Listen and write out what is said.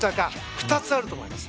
２つあると思います。